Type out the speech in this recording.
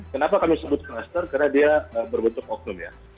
kenapa kami sebut klaster karena dia berbentuk oknum ya